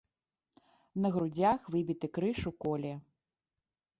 На грудзях выбіты крыж у коле.